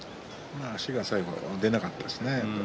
足が最後出なかったですね。